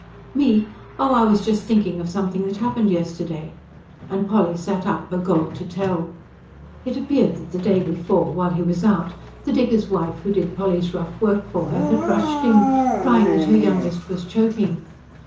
"Me? Oh, I was just thinking of something that happened yesterday" and Polly sat up, agog to tell. It appeared that the day before, while he was out, the digger's wife who did Polly's rough work for her had rushed in, crying that her youngest was choking.